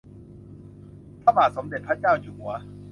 พระบาทสมเด้จพระเจ้าอยู่หัว